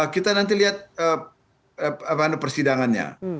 kita nanti lihat persidangannya